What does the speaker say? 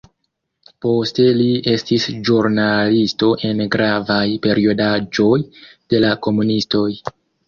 Poste li estis ĵurnalisto en gravaj periodaĵoj de la komunistoj.